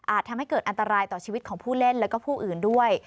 ทำให้เกิดอันตรายต่อชีวิตของผู้เล่นแล้วก็ผู้อื่นด้วย